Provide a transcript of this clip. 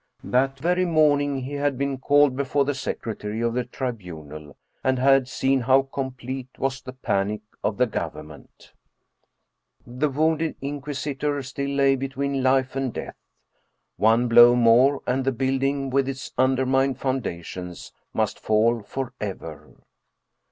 That very morning he had been called before the Secretary of the Tribunal and had seen how complete was the panic of the government. 74 Paul Heyse The wounded Inquisitor still lay between life and death. One blow more and the building with its undermined foundations must fall forever.